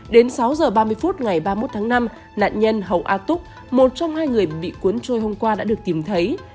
đến sáu h ba mươi phút ngày ba mươi một tháng năm nạn nhân hầu a túc một trong hai người bị cuốn trôi hôm qua đã được tìm thấy